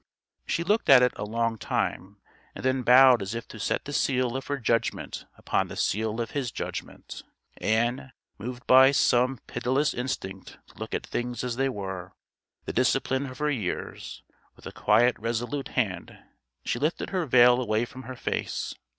She looked at it a long time, and then bowed as if to set the seal of her judgment upon the seal of his judgment. And, moved by some pitiless instinct to look at things as they are, the discipline of her years, with a quiet resolute hand she lifted her veil away from her face.